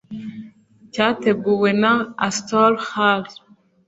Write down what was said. cyateguwe na astor Hall